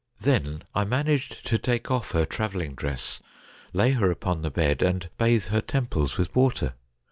Then I managed to take off her travelling dress, lay her upon the bed, and bathe her tem ples with water.